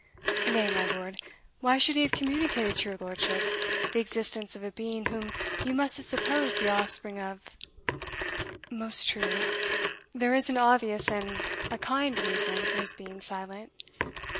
"Nay, my lord, why should he have communicated to your lordship the existence of a being whom you must have supposed the offspring of" "Most true there is an obvious and a kind reason for his being silent.